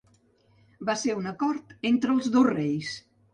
Va ser un acord entre els dos reis.